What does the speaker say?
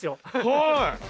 はい！